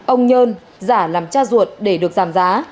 ông nhơn giả làm cha ruột để được giảm giá